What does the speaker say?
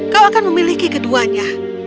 kau akan memiliki keduanya